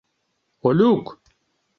Олюк.